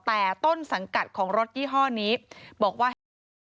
แต่ต้นสังกัดของรถยี่ห้อนี้บอกว่าเห็น